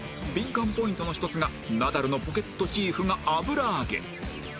ビンカンポイントの１つがナダルのポケットチーフが油揚げ